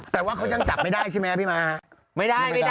แต่ว่าเค้ายังจับไม่ได้ใช่มั้ยพี่ม้า